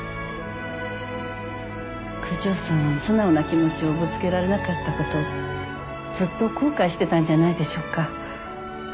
九条さんは素直な気持ちをぶつけられなかったことをずっと後悔してたんじゃないでしょうか。